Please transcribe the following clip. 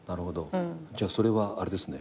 じゃあそれはあれですね